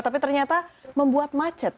tapi ternyata membuat macet